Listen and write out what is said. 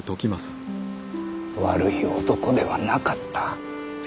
悪い男ではなかった。